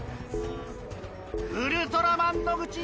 ウルトラマン野口